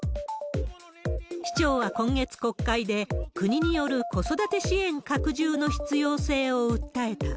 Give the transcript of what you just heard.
市長は今月、国会で国による子育て支援拡充の必要性を訴えた。